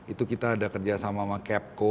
itu kita ada kerjasama sama kepco